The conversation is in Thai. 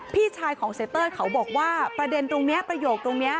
พี่ชายของเสียเต้ยเขาบอกว่าประเด็นตรงนี้ประโยคตรงนี้